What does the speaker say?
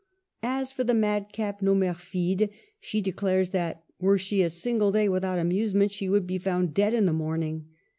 As for the madcap Nomerlide, she declares that, were she a single day without amusement, she would be found dead in the morning.